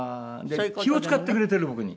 気を使ってくれてる僕に。